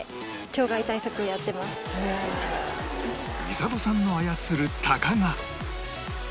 美里さんの操る鷹が